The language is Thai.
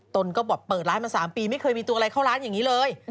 ตนก็บอกเปิดร้านมา๓ปีไม่เคยมีตัวอะไรเข้าร้านอย่างนี้เลย